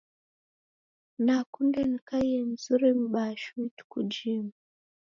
Nakunde nikaiye mzuri m'baa shuu ituku jimu.